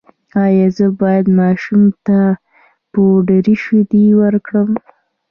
ایا زه باید ماشوم ته پوډري شیدې ورکړم؟